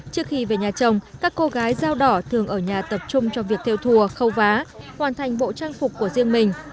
trước khi về nhà chồng các cô gái dao đỏ thường ở nhà tập trung cho việc theo thùa khâu vá hoàn thành bộ trang phục của riêng mình